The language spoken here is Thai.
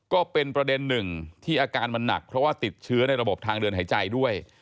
ก็เป็นประเด็นหนึ่งที่อาการมันหนักเพราะว่าติดเชื้อในระบบทางเดินหายใจด้วย